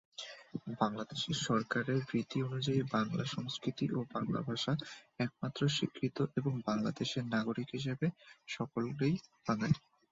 বাংলাদেশ সরকারের নীতি অনুযায়ী, বাংলা সংস্কৃতি ও বাংলা ভাষা একমাত্র স্বীকৃত এবং বাংলাদেশের নাগরিক হিসেবে সকলেই বাঙালি।